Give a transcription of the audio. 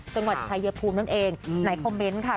จังหวัดชายภูมินั่นเองในคอมเมนต์ค่ะ